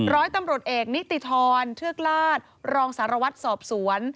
ร้อยตำรวจเอกนิติธรเทือกลาศรองสารวัตรสอบสวน